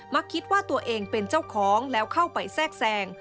คิดว่าตัวเองเป็นเจ้าของแล้วเข้าไปแทรกแทรง